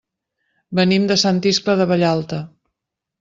Venim de Sant Iscle de Vallalta.